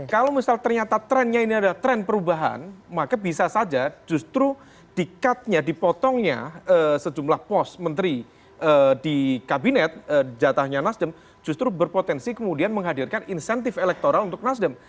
kalau misal ternyata trennya ini ada tren perubahan maka bisa saja justru di cut nya dipotongnya sejumlah pos menteri di kabinet jatahnya nasdem justru berpotensi kemudian menghadirkan insentif elektoral untuk nasdem